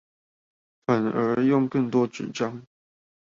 反而用更多紙張